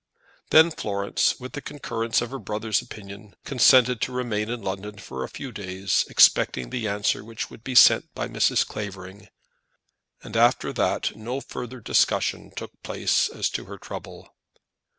Then Florence, with the concurrence of her brother's opinion, consented to remain in London for a few days, expecting the answer which would be sent by Mrs. Clavering; and after that no further discussion took place as to her trouble.